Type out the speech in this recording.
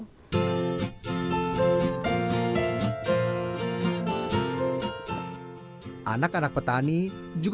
anak anak petani juga ditanamkan rasa kepedulian untuk mempelajari petani